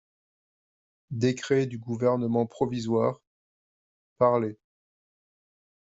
Décret du Gouvernement provisoire…" Parlé.